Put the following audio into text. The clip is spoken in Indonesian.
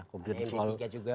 ada yang di sini juga juga